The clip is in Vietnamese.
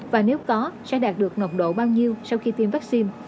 và nếu có sẽ đạt được ngộng độ bao nhiêu sau khi tiêm vaccine